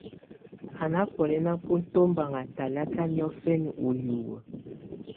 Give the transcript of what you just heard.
Á ná bunɛ́na bú tɔbaŋá talakɛ̀á niɔ̀fǝna ù hiwǝ́.